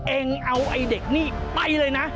เองเอาไอ้เด็กนี่ไปเลยนะ